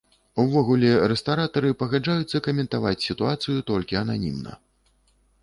Увогуле, рэстаратары пагаджаюцца каментаваць сітуацыю толькі ананімна.